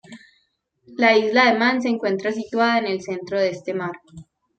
La isla de Man se encuentra situada en el centro de este mar.